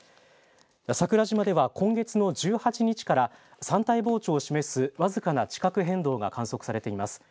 桜島では今月の１８日から山体膨張を示す僅かな地殻変動が観測されています。